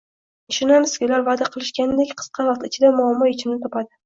Ishonamizki, ular vaʼda qilishganidek, qisqa vaqt ichida muammo yechimini topadi.